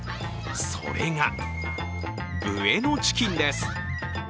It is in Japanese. それが、ブエノチキンです。